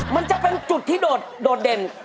มันจะเป็นจุดที่โดดเด่น